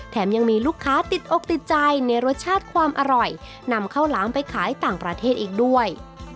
ยังมีลูกค้าติดอกติดใจในรสชาติความอร่อยนำข้าวหลามไปขายต่างประเทศอีกด้วย